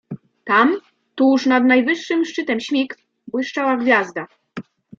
Tam, tuż nad najwyższym szczytem śmig, błyszczała gwiazda.